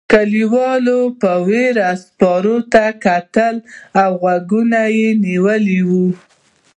کليوالو په وېره سپرو ته کتل او غوږونه یې ونیول.